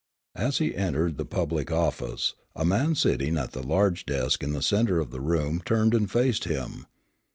As he entered the public office, a man sitting at the large desk in the centre of the room turned and faced him.